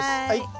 はい。